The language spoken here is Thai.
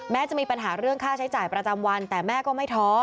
จะมีปัญหาเรื่องค่าใช้จ่ายประจำวันแต่แม่ก็ไม่ท้อ